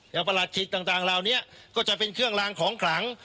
ประหลัดขิตต่างเหล่านี้ก็จะเป็นเครื่องลางของขลัง